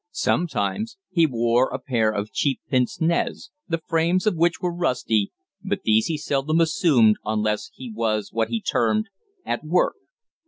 Sometimes he wore a pair of cheap pince nez, the frames of which were rusty, but these he seldom assumed unless he was what he termed "at work."